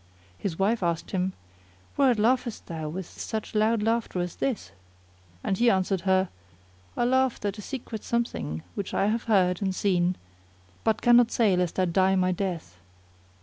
His wife asked him, "Whereat laughest thou with such loud laughter as this?"; and he answered her, "I laughed at a secret something which I have heard and seen but cannot say lest I die my death."